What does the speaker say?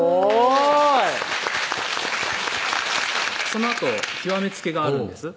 そのあと極めつきがあるんです